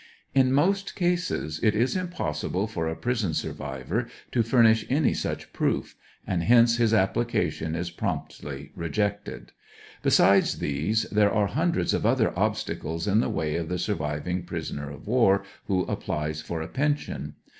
In most cases it is impossible for a prison survivor to furnish any such proof, and hence his application is promptly rejected. Besides these, there are hundreds of other obstacles in the way of the sur viving prisoner of war w^ho applies for a pension.